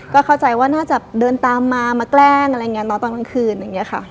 ก็เข้าใจว่าน่าจะเดินตามมามาแกล้งตอนกลางคืนอย่างนี้ค่ะ